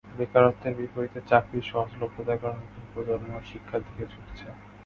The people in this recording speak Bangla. বেকারত্বের বিপরীতে চাকরির সহজলভ্যতার কারণে নতুন প্রজন্ম এ শিক্ষার দিকে ঝুঁকছে।